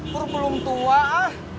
pur belum tua ah